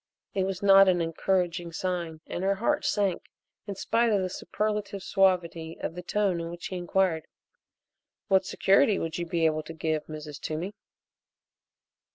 It was not an encouraging sign and her heart sank in spite of the superlative suavity of the tone in which he inquired: "What security would you be able to give, Mrs. Toomey?"